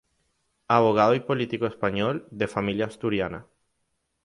Abogado y político español, de familia asturiana.